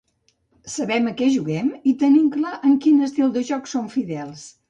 Sabem a què juguem i tenim clar a quin estil de joc som fidels.